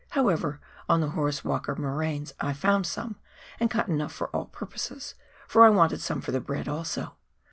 However, on the Horace Walker moraines I found some, and cut enough for all purposes, for I wanted some for the bread also.